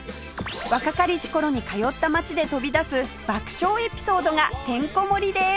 若かりし頃に通った街で飛び出す爆笑エピソードがてんこ盛りです